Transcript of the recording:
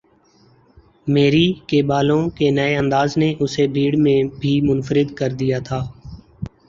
میری کے بالوں کے نئے انداز نے اسے بھیڑ میں بھی منفرد کر دیا تھا۔